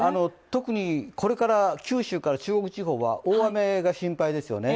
特にこれから九州から中国地方は大雨が心配ですよね。